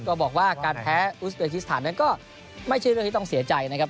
ก็บอกว่าการแพ้อุสเบคิสถานนั้นก็ไม่ใช่เรื่องที่ต้องเสียใจนะครับ